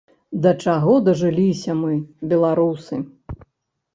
Да чаго дажыліся мы, беларусы!